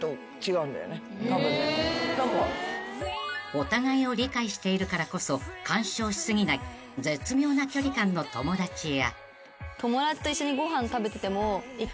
［お互いを理解しているからこそ干渉し過ぎない絶妙な距離感の友達や］